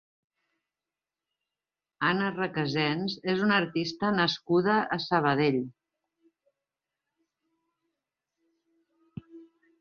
Anna Recasens és una artista nascuda a Sabadell.